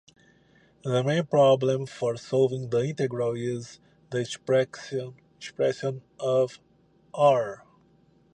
The main problem for solving the integral is the expression of "r".